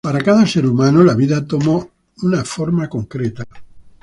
Para cada ser humano la vida toma una forma concreta.